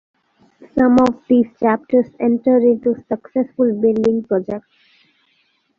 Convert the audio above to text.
Some of these chapters entered into successful building projects.